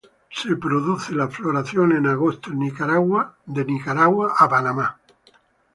Se produce la floración en agosto en Nicaragua a Panamá.